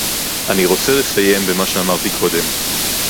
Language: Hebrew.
אני רוצה לסיים במה שאמרתי קודם